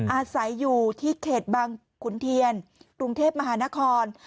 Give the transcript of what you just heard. อาศัยอยู่ที่เขตบางขุนเทียนกรุงเทพมหานคร